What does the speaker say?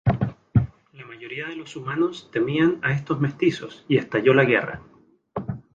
La mayoría de los humanos temían a estos mestizos y estalló la guerra.